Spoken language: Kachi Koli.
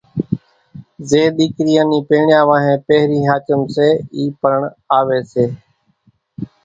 زين ۮيڪريان نِي پيڻيا وانھين پھرين ۿاچم سي اِي پڻ آوي سي